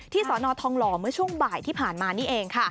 สอนอทองหล่อเมื่อช่วงบ่ายที่ผ่านมานี่เองค่ะ